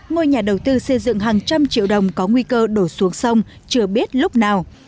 ngôi nhà đầu tư xây dựng hàng trăm triệu đồng có nguy cơ đổ xuống sông chưa biết lúc nào